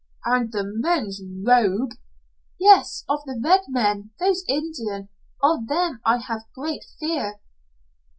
"And the men 'rouge' " "Yes. Of the red men those Indian of them I have great fear."